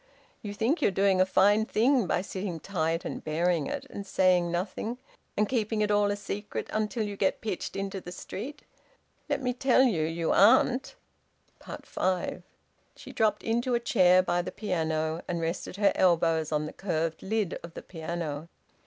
You think you're doing a fine thing by sitting tight and bearing it, and saying nothing, and keeping it all a secret, until you get pitched into the street! Let me tell you you aren't." FIVE. She dropped into a chair by the piano, and rested her elbows on the curved lid of the piano.